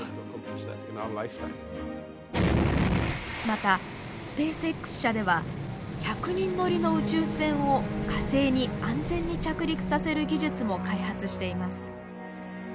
またスペースＸ社では１００人乗りの宇宙船を火星に安全に着陸させる技術も開発しています。